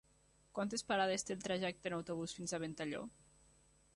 Quantes parades té el trajecte en autobús fins a Ventalló?